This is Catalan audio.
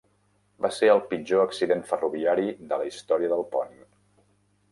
Va ser el pitjor accident ferroviari de la història del pont.